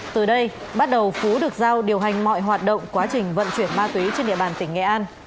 từ đây bắt đầu phú được giao điều hành mọi hoạt động quá trình vận chuyển ma túy trên địa bàn tỉnh nghệ an